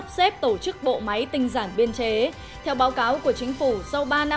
xin chào các bạn